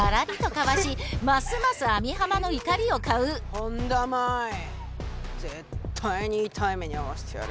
本田麻衣絶対に痛い目に遭わせてやる。